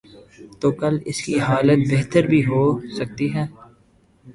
تو کل اس کی حالت بہتر بھی ہو سکتی ہے۔